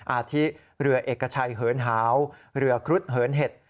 อาทิเรือเอกชัยเหินหาวเรือครุฑเหินเห็ด